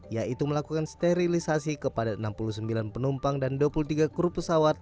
yaitu melakukan sterilisasi kepada enam puluh sembilan penumpang dan dua puluh tiga kru pesawat